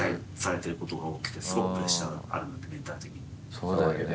そうだよね。